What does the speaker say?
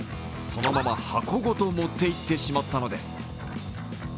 そのまま、箱ごと持って行ってしまったのです。